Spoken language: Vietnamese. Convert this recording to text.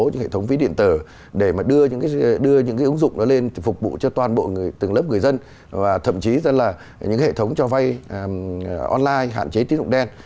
những hệ thống ví điện tờ để mà đưa đưa những cái ứng dụng đó lên phục vụ cho toàn bộ người từng lớp người dân thậm chí là những hệ thống cho vay online hạn chế tín dụng đen